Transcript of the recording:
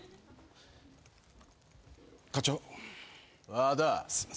和田。